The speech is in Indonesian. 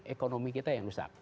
ekonomi kita yang rusak